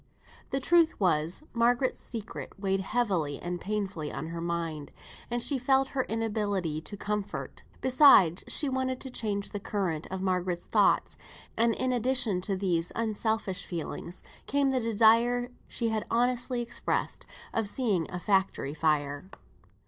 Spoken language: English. The truth was, Margaret's secret weighed heavily and painfully on her mind, and she felt her inability to comfort; besides, she wanted to change the current of Margaret's thoughts; and in addition to these unselfish feelings, came the desire she had honestly expressed, of seeing a factory on fire.